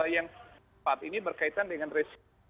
yang saat ini berkaitan dengan resiko